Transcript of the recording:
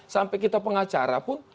sampai kita pengacara pun